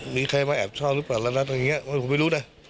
มีใครมาแอบชอบหรือเปล่าแล้วนะตรงนี้ผมไม่รู้นะ